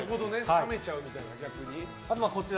冷めちゃうみたいな、逆にね。